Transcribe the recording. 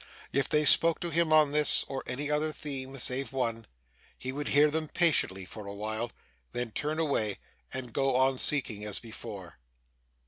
If they spoke to him on this, or any other theme save one he would hear them patiently for awhile, then turn away, and go on seeking as before.